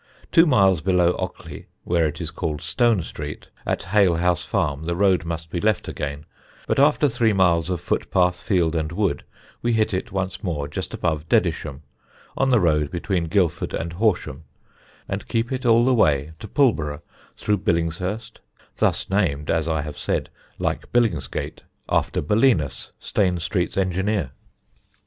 Two miles below Ockley (where it is called Stone Street), at Halehouse Farm, the road must be left again, but after three miles of footpath, field, and wood we hit it once more just above Dedisham, on the road between Guildford and Horsham, and keep it all the way to Pulborough, through Billingshurst, thus named, as I have said, like Billingsgate, after Belinus, Stane Street's engineer.